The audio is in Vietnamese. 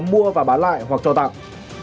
hoặc cho tặng